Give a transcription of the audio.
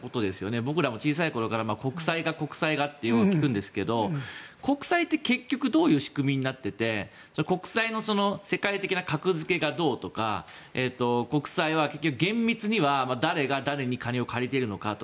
僕らも小さい頃から国債が、国債がとよく聞くんですが国債って結局どういう仕組みになっていて国債の世界的な格付けがどうとか国債は厳密には誰が誰に金を借りているのかとか